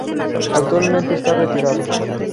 Actualmente esta retirado.